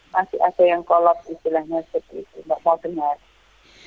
masih ada yang kolos istilahnya seperti itu mbak